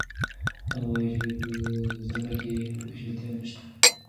هغه وایي چې په زده کړه کې پیچلتیا نشته.